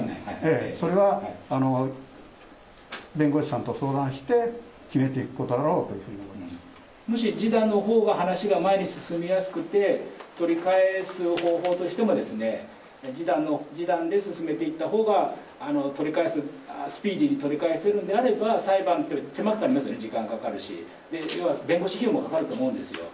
それは弁護士さんと相談して決めていくことだろうというふうに思もし示談のほうが話が前に進みやすくて、取り返す方法としても示談で進めていったほうが取り返す、スピーディーに取り返せるんであれば、裁判、手間かかりますよね、時間かかりますし、弁護士費用もかかると思うんですよ。